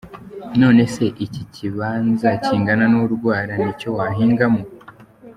None se iki kibaza cyingana n’urwara nicyo wahingamo.